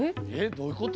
どういうこと？